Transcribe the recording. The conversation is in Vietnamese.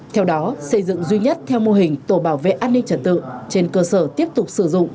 theo đó xây dựng duy nhất theo mô hình tổ bảo vệ an ninh trật tự trên cơ sở tiếp tục sử dụng